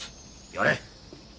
やれ！